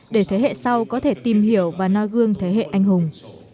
để thế hệ sau có thể tìm hiểu và no gương thế hệ anh hùng